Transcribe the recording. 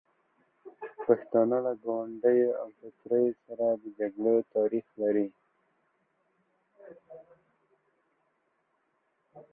پښتانه له ګاونډیو ډلو او امپراتوریو سره د جګړو تاریخ لري.